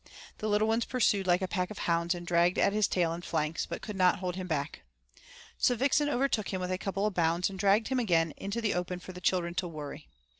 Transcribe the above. The little ones pursued like a pack of hounds and dragged at his tail and flanks, but could not hold him back. So Vixen overtook him with a couple of bounds and dragged him again into the open for the children to worry.